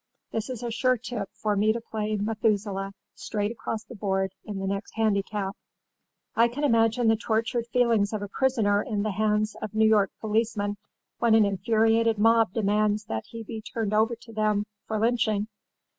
This is a sure tip for me to play Methuselah straight across the board in the next handicap.' "I can imagine the tortured feelings of a prisoner in the hands of New York policemen when an infuriated mob demands that he be turned over to them for lynching.